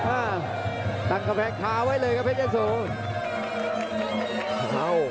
อ้าตังค์กำแพงคาไว้เลยครับเพชรเย้าสูง